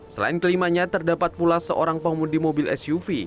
selain kelimanya terdapat pula seorang pengemudi mobil suv